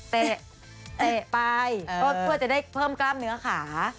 เตะไปก็เพื่อจะได้เพิ่มกล้ามเนื้อขา